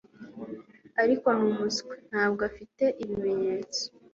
Ariko ni umuswa ntabwo afite ibimenyetso